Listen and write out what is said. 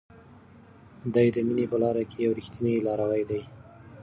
دی د مینې په لار کې یو ریښتینی لاروی دی.